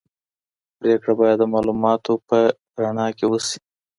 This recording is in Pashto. پرېکړه باید د معلوماتو په رڼا کي وسي.